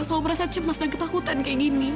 selalu merasa cemas dan ketakutan kayak gini